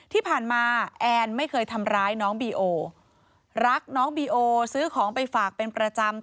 ที่ผ่านมาแอนไม่เคยทำร้ายน้องบีโอรักน้องบีโอซื้อของไปฝากเป็นประจำ